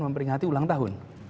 memperingati ulang tahun